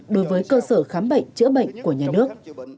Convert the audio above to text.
đối với cơ sở khám bệnh chữa bệnh của nhà nước